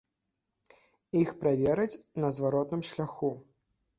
Іх правераць на зваротным шляху.